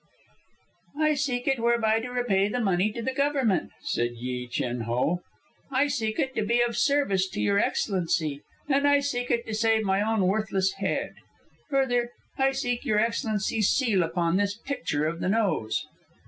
"I seek it whereby to repay the money to the Government," said Yi Chin Ho. "I seek it to be of service to Your Excellency, and I seek it to save my own worthless head. Further, I seek Your Excellency's seal upon this picture of the nose."